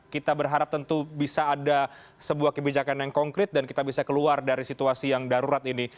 kita berharap tentu bisa ada sebuah kebijakan yang konkret dan kita bisa keluar dari situasi yang darurat ini